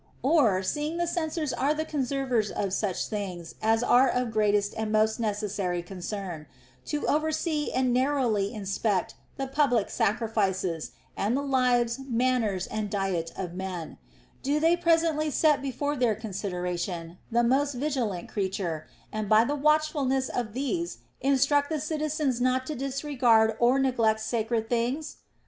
Or, seeing the censors are the con servers of such things as are of greatest and most necessary concern, — to oversee and narrowly inspect the public sac rifices, and the lives, manners, and diet of men, — do they presently set before their consideration the most vigilant creature, and by the watchfulness of these instruct the citizens not to disregard or neglect sacred things'?